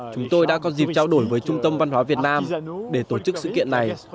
chúng tôi đã có dịp trao đổi với trung tâm văn hóa việt nam để tổ chức sự kiện này